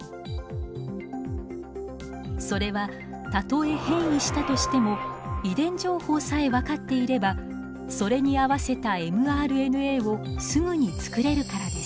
それはたとえ変異したとしても遺伝情報さえ分かっていればそれに合わせたｍＲＮＡをすぐに作れるからです。